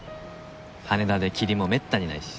羽田で霧もめったにないし。